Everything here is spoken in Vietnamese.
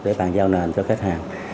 để bàn giao nền cho khách hàng